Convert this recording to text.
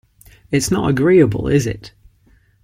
It's not agreeable, is it?